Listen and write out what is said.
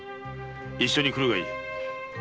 一緒に来るがいい。